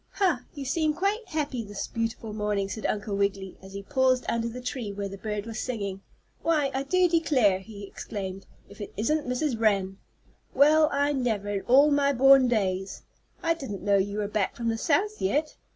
"Ha! you seem quite happy this beautiful morning," said Uncle Wiggily, as he paused under the tree where the bird was singing. "Why, I do declare," he exclaimed. "If it isn't Mrs. Wren! Well, I never in all my born days! I didn't know you were back from the South yet."